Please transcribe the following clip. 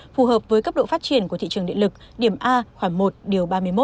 phù hợp với cấp độ phát triển của thị trường điện lực điểm a khoảng một điều ba mươi một